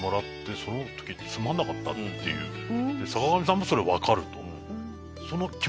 坂上さんもそれ分かると。